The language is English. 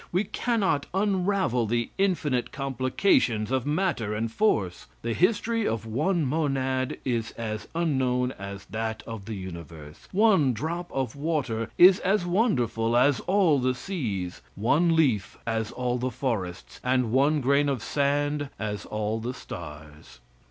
We cannot unravel the infinite complications of matter and force. The history of one monad is as unknown as that of the universe; one drop of water is as wonderful as all the seas; one leaf, as all the forests; and one grain of sand, as all the stars.